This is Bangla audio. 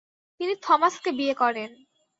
তিনি থমাসকে বিয়ে করেন।